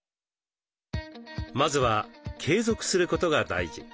まずは継続することが大事。